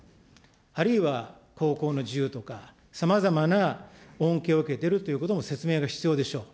あるいは航行の自由とか、さまざまな恩恵を受けてるということも説明が必要でしょう。